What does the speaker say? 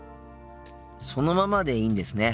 そのままでいいんですね。